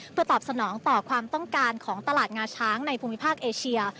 เพื่อตอบสนองต่อความต้องการของตลาดงาช้างในภูมิภาคเอเชีย